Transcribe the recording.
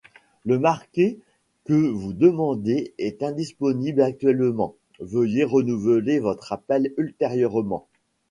La Marquet que vous demandez est indisponible actuellement, veuillez renouveler votre appel ultérieurement.